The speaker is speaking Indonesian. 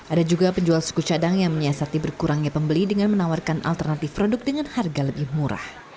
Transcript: ada juga penjual suku cadang yang menyiasati berkurangnya pembeli dengan menawarkan alternatif produk dengan harga lebih murah